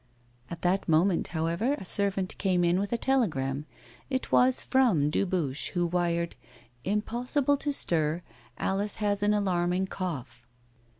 At that moment, however, a servant came in with a telegram. It was from Dubuche, who wired: 'Impossible to stir. Alice has an alarming cough.